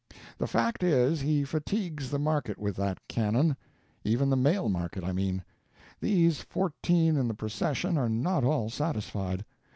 The fact is, he fatigues the market with that cannon. Even the male market, I mean. These fourteen in the procession are not all satisfied.